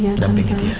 ya sedantingin dia ya